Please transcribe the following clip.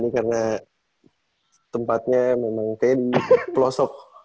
karena tempatnya memang kayak di pelosok